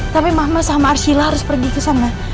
tapi mama sama arsila harus pergi kesana